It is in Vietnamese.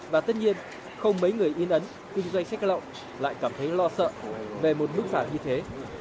và tất nhiên không mấy người yên ấn cứ dây sách lộ lại cảm thấy lo sợ về một bức phạt như thế